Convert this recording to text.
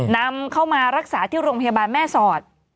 นำเข้ามารักษาที่โรงพยาบาลแม่สอด